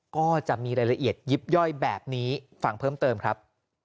ก็จะมีรายละเอียดยิบย่อยแบบนี้ฟังเพิ่มเติมครับ